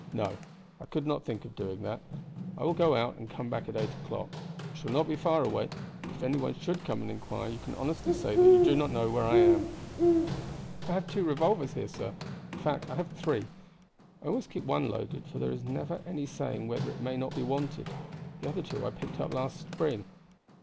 No, I could not think of doing that. I will go out, and come back at eight o'clock. I shall not be far away; but if any one should come and inquire, you can honestly say that you do not know where I am." "I have two revolvers here, sir; in fact I have three. I always keep one loaded, for there is never any saying whether it may not be wanted; the other two I picked up last spring.